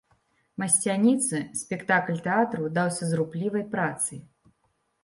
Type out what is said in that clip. Масцяніцы, спектакль тэатру даўся з руплівай працай.